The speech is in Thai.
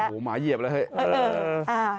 โอ้โหหมาเหยียบแล้วเฮ้ย